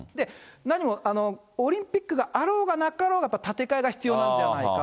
何も、オリンピックがあろうがなかろうが、建て替えが必要なんじゃないか。